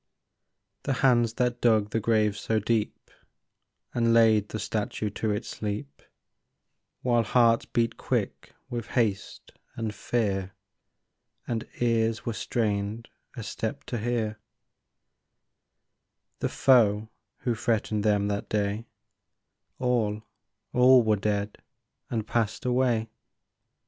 The hands that dug the grave so deep, And laid the statue to its sleep, While hearts beat quick with haste and fear, And ears were strained a step to hear ; 48 THE BURIED STATUE The foe who threatened them that day All, all were dead and passed away.